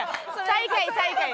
最下位最下位。